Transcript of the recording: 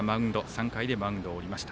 ３回でマウンドを降りました。